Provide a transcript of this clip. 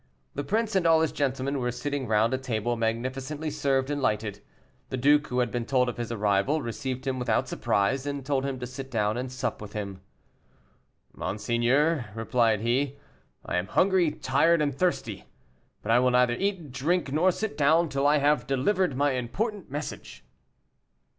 The prince and all his gentlemen were sitting round a table magnificently served and lighted. The duke, who had been told of his arrival, received him without surprise, and told him to sit down and sup with him. "Monseigneur," replied he, "I am hungry, tired, and thirsty; but I will neither eat, drink, nor sit down till I have delivered my important message."